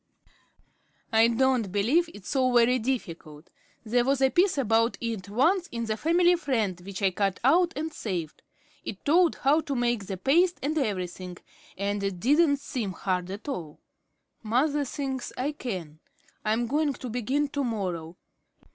"I don't believe it's so very difficult. There was a piece about it once in the 'Family Friend' which I cut out and saved. It told how to make the paste and everything, and it didn't seem hard at all. Mother thinks I can. I'm going to begin to morrow.